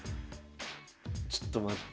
ちょっと待って。